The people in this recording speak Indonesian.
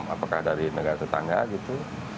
apakah dari negara tetangga gitu